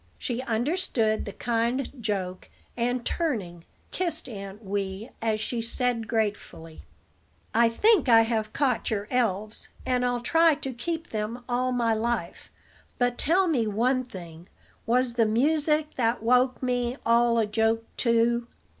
She understood the kind joke; and, turning, kissed Aunt Wee, as she said, gratefully: "I think I have caught your elves, and I'll try to keep them all my life. But tell me one thing: was the music that woke me all a joke too?"